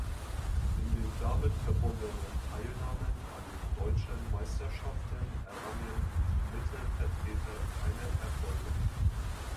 In den damit verbundenen Teilnahmen an den deutschen Meisterschaften errangen die Mitte-Vertreter keine Erfolge.